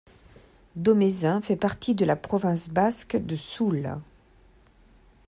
Domezain fait partie de la province basque de Soule.